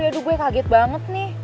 aduh gue kaget banget nih